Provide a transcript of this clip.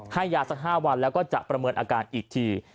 ให้ยาสัก๕วันแล้วก็จะประเมินอาการอีกที